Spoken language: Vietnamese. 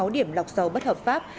ba mươi sáu điểm lọc dầu bất hợp pháp